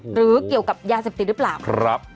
หรือเกี่ยวกับยาเสพติดหรือเปล่า